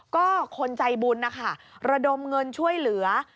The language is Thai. ก็คนใจบุญนะคะระดมเงินช่วยเหลือ